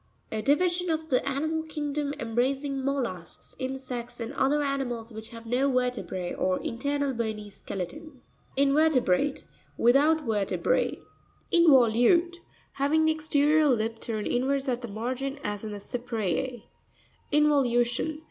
A division of the animal kingdom, embracing mollusks, insects, and other animals which have no ver tebre, or internal bony skeleton. InvE'RTEBRATE.— Without vertebra. In'voLtutre.—Having the exterior lip turned inwards at the margin, as in the Cypree. Invoxvu'tion.